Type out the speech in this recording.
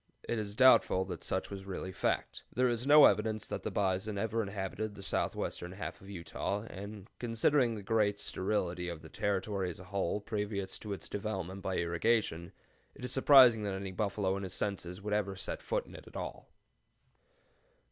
It is doubtful that such was really fact. There is no evidence that the bison ever inhabited the southwestern half of Utah, and, considering the general sterility of the Territory as a whole previous to its development by irrigation, it is surprising that any buffalo in his senses would ever set foot in it at all.